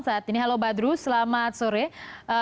saat ini halo badru selamat sore